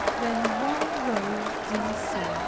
Then one row Dc.